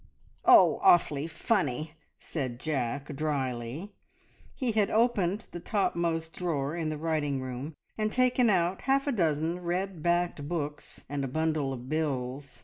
"Oh, awfully funny!" said Jack drily. He had opened the topmost drawer in the writing table and taken out half a dozen red backed books and a bundle of bills.